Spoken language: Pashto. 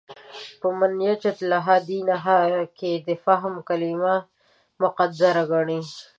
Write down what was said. په «مَن یُجَدِّدُ لَهَا دِینَهَا» کې د «فهم» کلمه مقدر ګڼي.